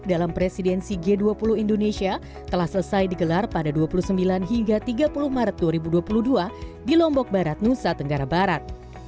dalam presidensi g dua puluh indonesia telah selesai digelar pada dua puluh sembilan hingga tiga puluh maret dua ribu dua puluh dua di lombok barat nusa tenggara barat